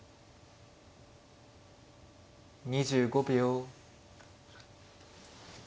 ２５秒。